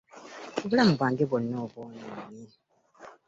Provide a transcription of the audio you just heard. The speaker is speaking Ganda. Obulamu bwange bwonna obwonoonye.